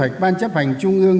và các ban chấp hành trung ương